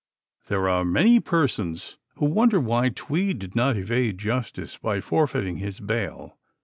There are many persons who wonder why Tweed did not evade justice by forfeiting his bail.